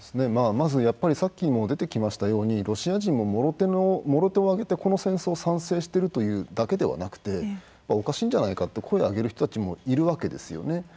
まずやっぱりさっきも出てきましたようにロシア人ももろ手を挙げてこの戦争賛成しているというだけではなくておかしいんじゃないかって声を上げる人たちもいるわけですよね。